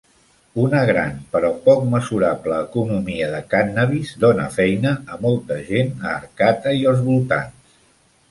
Una gran, però poc mesurable, economia de cànnabis dona feina a molta gent a Arcata i els voltants.